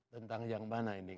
tentang yang mana ini